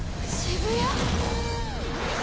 渋谷？